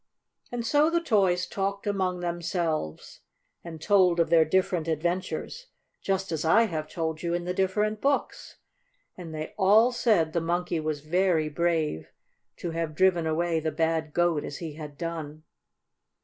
And so the toys talked among themselves, and told of their different adventures, just as I have told you in the different books. And they all said the Monkey was very brave to have driven away the bad Goat as he had done.